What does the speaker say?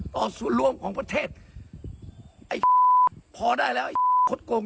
ต่อส่วนร่วมของประเทศพอได้แล้วคดโกรธ